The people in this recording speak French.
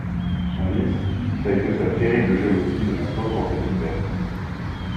Son vice, ç'a été sa terrible jalousie de ma pauvre petite Berthe.